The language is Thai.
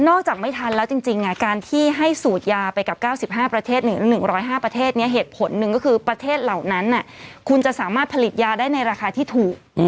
จากไม่ทันแล้วจริงการที่ให้สูดยาไปกับ๙๕ประเทศ๑๐๕ประเทศนี้เหตุผลหนึ่งก็คือประเทศเหล่านั้นคุณจะสามารถผลิตยาได้ในราคาที่ถูก